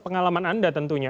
apakah keamanan anda tentunya